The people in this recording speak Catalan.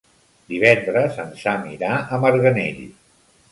Divendres en Sam irà a Marganell.